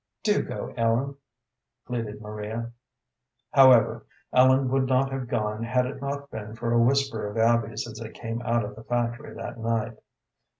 "Do go, Ellen," pleaded Maria. However, Ellen would not have gone had it not been for a whisper of Abby's as they came out of the factory that night.